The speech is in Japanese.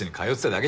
だけ